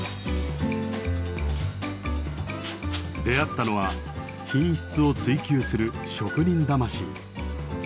出会ったのは品質を追求する職人魂。